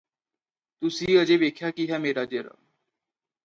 ਤੁਸੀ ਅਜੇ ਵੇਖਿਆ ਕੀ ਹੈ ਮੇਰਾ ਜ਼ੇਰਾ